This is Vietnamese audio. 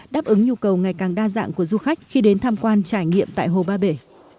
đáp ứng nhu cầu ngày càng đa dạng của du khách khi đến tham quan trải nghiệm tại hồ ba bể